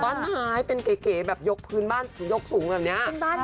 บ้านไม้เป็นเก๋ยกพื้นบ้านยกสูงอย่างเนี่ย